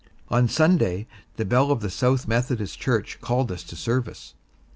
On Sunday, the bell of the South Methodist Church called us to service.